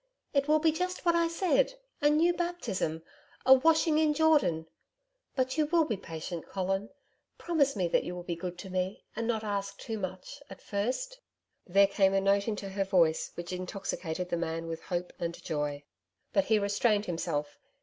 It will be just what I said a new baptism a washing in Jordan. But you will be patient, Colin; promise me that you will be good to me, and not ask too much at first.' There came a note into her voice which intoxicated the man with hope and joy. But he restrained himself.